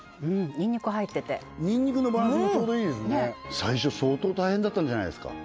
ニンニク入っててニンニクのバランスもちょうどいいですね最初相当大変だったんじゃないすか？